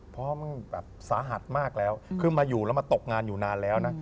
เพราะมันแบบสาหัสมากแล้วคือมาอยู่แล้วมาตกงานอยู่นานแล้วนะ